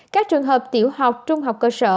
các trường hợp tiểu học trung học cơ sở